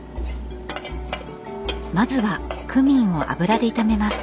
まずはクミンを油で炒めます。